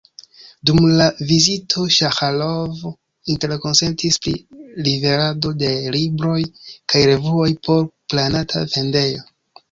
Dum la vizito Saĥarov interkonsentis pri liverado de libroj kaj revuoj por planata vendejo.